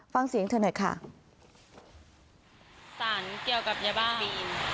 ฟังเสียงเธอหน่อยค่ะสารเกี่ยวกับยาบ้าบีม